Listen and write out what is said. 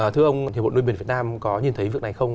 thưa ông hiệp bộ nuôi biển việt nam có nhìn thấy việc này không